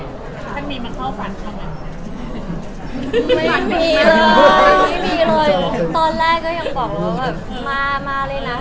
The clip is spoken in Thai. ทั้งมีมาเข้าฝันเพราะมันอีกไหม